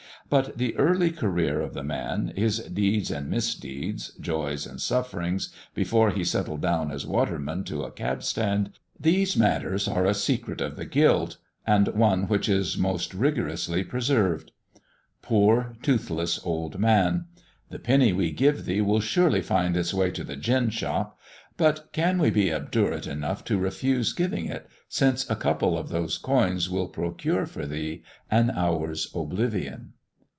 But the early career of the man, his deeds and misdeeds, joys and sufferings, before he settled down as waterman to a cab stand these matters are a secret of the Guild, and one which is most rigorously preserved. Poor, toothless, old man! The penny we give thee will surely find its way to the gin shop, but can we be obdurate enough to refuse giving it, since a couple of those coins will procure for thee an hour's oblivion?